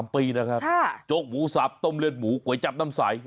๓ปีนะครับโจ๊กหมูสับต้มเลือดหมูก๋วยจับน้ำใส